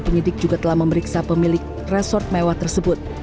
penyidik juga telah memeriksa pemilik resort mewah tersebut